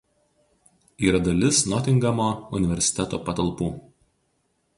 Yra dalis Notingamo universiteto patalpų.